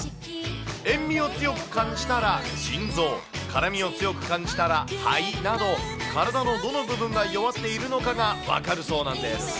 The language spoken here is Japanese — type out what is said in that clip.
塩味を強く感じたら腎臓、辛みを強く感じたら肺など、体のどの部分が弱っているのかが分かるそうなんです。